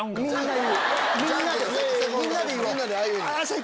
みんなで言おう！